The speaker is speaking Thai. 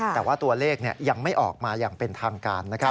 แต่ว่าตัวเลขยังไม่ออกมาอย่างเป็นทางการนะครับ